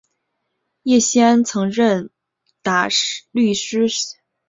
叶锡安曾任孖士打律师行主席及首席合夥人。